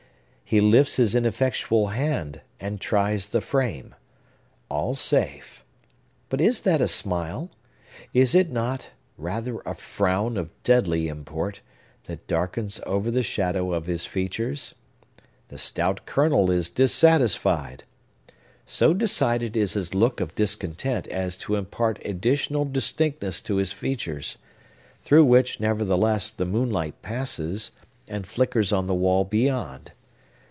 he lifts his ineffectual hand, and tries the frame. All safe! But is that a smile?—is it not, rather a frown of deadly import, that darkens over the shadow of his features? The stout Colonel is dissatisfied! So decided is his look of discontent as to impart additional distinctness to his features; through which, nevertheless, the moonlight passes, and flickers on the wall beyond.